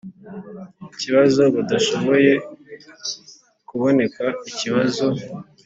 kibazo badashoboye kuboneka ikibazo